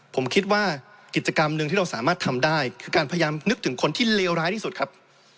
ผมคิดว่ากิจกรรมหนึ่งที่เราสามารถทำได้คือการพยายามนึกถึงคนที่เลวร้ายที่สุดครับ